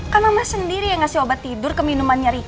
kan mama sendiri yang ngasih obat tidur ke minumannya ricky